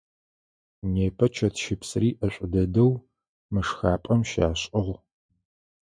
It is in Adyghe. Непэ чэтщыпсыри ӏэшӏу дэдэу мы шхапӏэм щашӏыгъ.